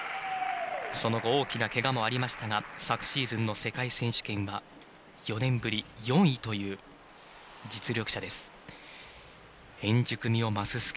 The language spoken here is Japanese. その後大きなけがもありましたが昨シーズンの世界選手権は４年ぶり４位という実力者です。